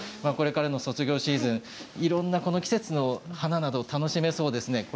これからの卒業シーズンにいろいろな季節の花が楽しめそうですね。